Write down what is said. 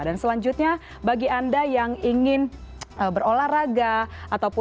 dan selanjutnya bagi anda yang ingin berolahraga